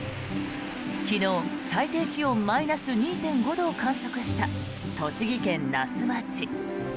昨日、最低気温マイナス２．５度を観測した栃木県那須町。